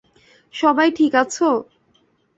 সবাই ঠিক আছো?